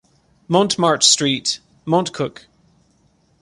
Montmartre street, Montcuq